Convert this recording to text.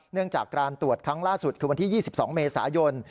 เนื่องจากการตรวจครั้งล่าสุดคือวันที่๒๒เมษายน